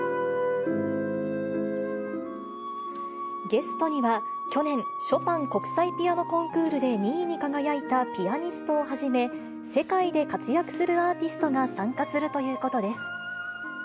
ゲストには去年、ショパン国際ピアノコンクールで２位に輝いたピアニストをはじめ、世界で活躍するアーティストが参加するということです。